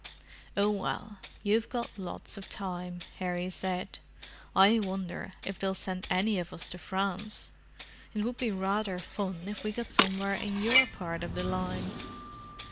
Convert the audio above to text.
"Oh, well, you've got lots of time," Harry said. "I wonder if they'll send any of us to France—it would be rather fun if we got somewhere in your part of the line."